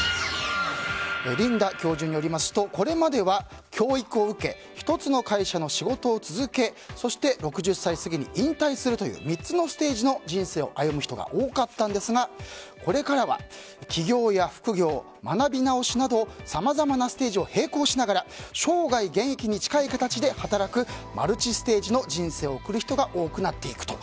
リンダ教授によりますとこれまでは教育を受け１つの会社の仕事を続けそして、６０歳過ぎに引退するという３つのステージの人生を歩む人が多かったんですがこれからは起業や副業、学び直しなどさまざまなステージを並行しながら生涯現役に近い形で働くマルチステージの人生を送る人が多くなっていくと。